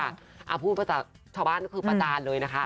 อ่าพูดประสาทชาวบ้านก็คือประจานเลยนะคะ